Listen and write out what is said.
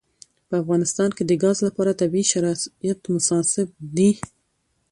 په افغانستان کې د ګاز لپاره طبیعي شرایط مناسب دي.